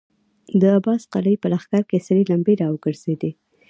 د عباس قلي په لښکر کې سرې لمبې را وګرځېدې.